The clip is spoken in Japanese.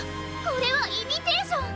これはイミテーション！